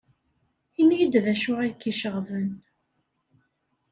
Ini-iyi-d d acu ay k-iceɣben.